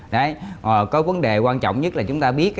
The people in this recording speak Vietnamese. đấy có vấn đề quan trọng nhất là chúng ta biết